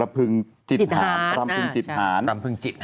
รัมพึงจิตหาร